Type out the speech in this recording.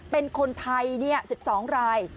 เป็นคนไทย๑๒ราย